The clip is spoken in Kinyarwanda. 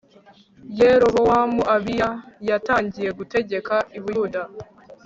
yerobowamu abiya yatangiye gutegeka i buyuda